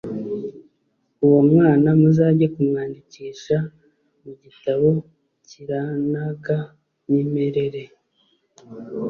Uwo mwana muzajye kumwandikisha mu gitabo cyiranaga mimerere